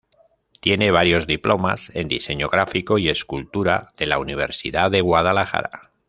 Tiene varios diplomas en diseño gráfico y escultura de la Universidad de Guadalajara.